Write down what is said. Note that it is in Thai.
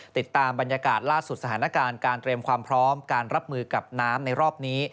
ติดตามบรรยากาศล่าสุดสถานการณ์การเตรียมความพร้อมการรับมือกับน้ำในรอบนี้